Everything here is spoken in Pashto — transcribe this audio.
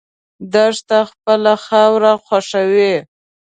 دښته خپله خاوره خوښوي.